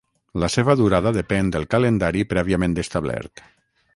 La seva durada depèn del calendari prèviament establert.